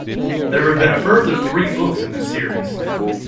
There have been a further three books in this series.